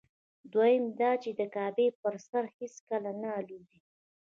دویمه دا چې د کعبې پر سر هېڅکله نه الوزي.